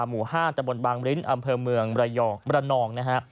หมู่ห้านตะบนบางลิ้นอำเภอเมืองบรนอง